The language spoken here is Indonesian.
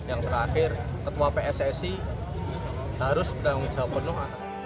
yang terakhir ketua pssi harus bertanggung jawab penuh